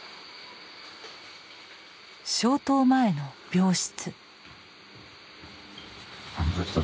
消灯前の病室。